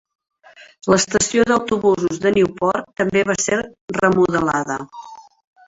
L'estació d'autobusos de Newport també va ser remodelada.